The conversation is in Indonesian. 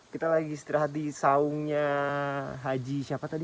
kita lagi istirahat di saungnya haji siapa tadi